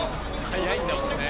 速いんだもんね。